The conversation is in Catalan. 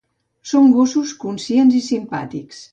Són gossos conscients i simpàtics.